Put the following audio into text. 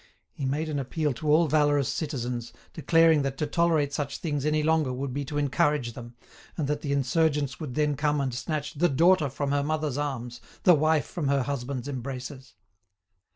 He made an appeal to all valorous citizens, declaring that to tolerate such things any longer would be to encourage them, and that the insurgents would then come and snatch "the daughter from her mother's arms, the wife from her husband's embraces."